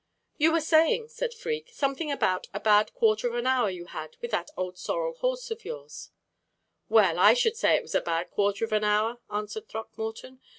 "You were saying," said Freke, "something about a bad quarter of an hour you had with that old sorrel horse of yours " "Well, I should say it was a bad quarter of an hour," answered Throckmorton.